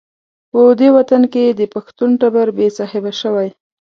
په دې وطن کې د پښتون ټبر بې صاحبه شوی.